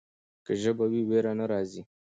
که ژبه وي ویره نه راځي.